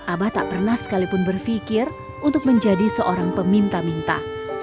abah tak pernah sekalipun berpikir untuk menjadi seorang peminta minta